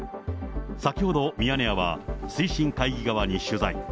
先ほどミヤネ屋は、推進会議側に取材。